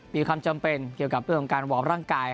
มีความจำเป็นเกี่ยวกับเรื่องของการวอร์มร่างกาย